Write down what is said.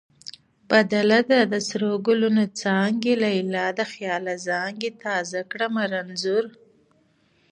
بدله ده: د سرو ګلونو څانګې لیلا د خیاله زانګې تا زه کړمه رنځور